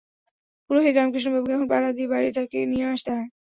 পুরোহিত রামকৃষ্ণ বাবুকে এখন পাহারা দিয়া বাড়ি থ্যাকি নিয়া আসতে হয়।